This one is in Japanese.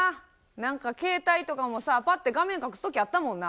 なんか携帯とかもさ、ぱって画面隠すときあったもんな。